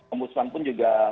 om budsman pun juga